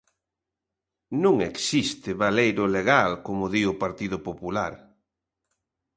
Non existe baleiro legal como di o Partido Popular.